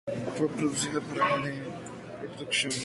Fue producida por Adelaide Productions Inc.